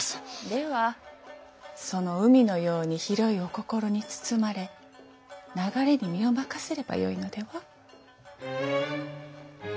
ではその海のように広いお心に包まれ流れに身を任せればよいのでは？